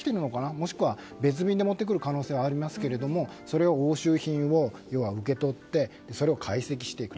若しくは、別便で持ってくる可能性はありますがその押収品を受け取ってそれを解析していく。